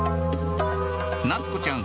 夏子ちゃん